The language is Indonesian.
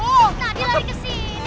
tadi lari kesini